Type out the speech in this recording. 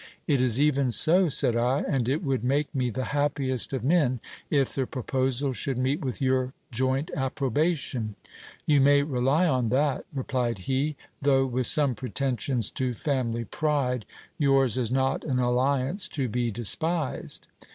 It is even so, said I, and it would make me the happiest of men, if the proposal should meet with your joint approbation. You may rely on that, replied he ; though with some pretensions to family pride, yours is not an alliance to be despised.